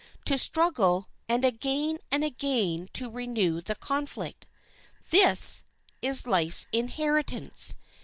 To struggle, and again and again to renew the conflict,—this is life's inheritance.